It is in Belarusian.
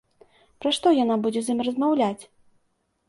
Пра што яна будзе з ім размаўляць?